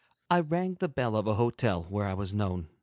I rang the bell of a hotel were I was known.